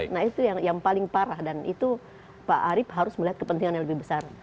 nah itu yang paling parah dan itu pak arief harus melihat kepentingan yang lebih besar